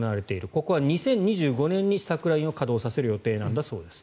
ここは２０２５年に試作ラインを稼働させる予定だそうです。